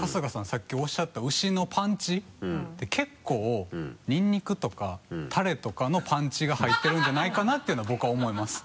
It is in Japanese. さっきおっしゃった牛のパンチって結構ニンニクとかタレとかのパンチが入ってるんじゃないかなっていうのは僕は思います。